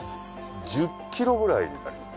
１０キロぐらいになります。